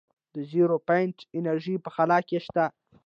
د زیرو پاینټ انرژي په خلا کې شته.